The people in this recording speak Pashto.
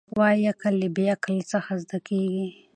وايي عقل له بې عقله څخه زده کېږي.